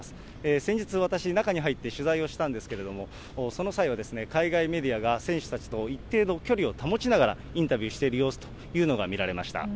先日、私、中に入って取材をしたんですけれども、その際は、海外メディアが選手たちと一定の距離を保ちながらインタビューしている様子というのが見られました。